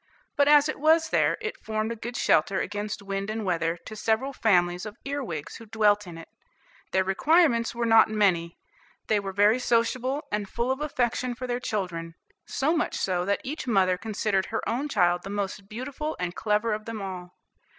But as it was there, it formed a good shelter against wind and weather to several families of earwigs who dwelt in it. Their requirements were not many, they were very sociable, and full of affection for their children, so much so that each mother considered her own child the most beautiful and clever of them all.